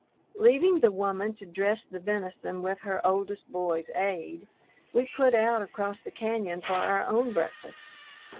Leaving the woman to dress the venison with her oldest boy's aid, we put out across the cañon for our own breakfast.